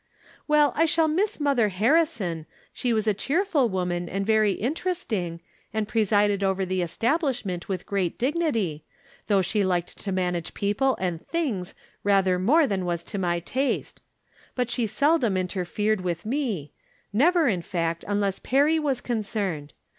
Well, I shall miss Mother Harrison ; she was a cheerful woman, and very interesting, and presided over the establishment with great dignity, though she liked to manage people and things rather more than was to my taste ; but slie seldom interfered v/ith me — never, From Different Standpoints. 295 in fact, unless Perry was concerned.